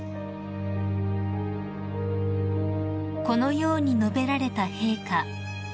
［このように述べられた陛下］